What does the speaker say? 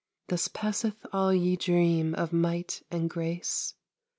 Thus passeth all ye dream of might and grace!